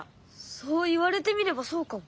そう言われてみればそうかも。